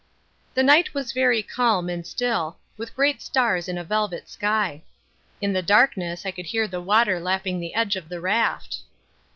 The night was very calm and still, with great stars in a velvet sky. In the darkness I could hear the water lapping the edge of the raft.